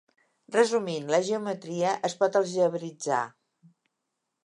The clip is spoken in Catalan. Resumint, la geometria es pot algebritzar.